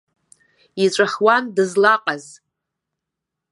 Иҵәахуан дызлаҟаз.